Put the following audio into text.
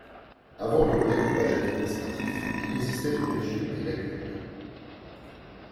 Avant le redécoupage administratif, il existait une région des Lagunes.